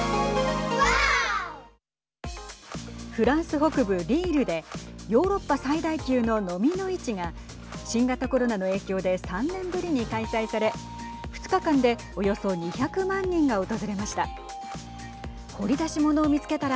フランス北部リールでヨーロッパ最大級の、のみの市が新型コロナの影響で３年ぶりに開催され２日間でおよそ２００万人が訪れました。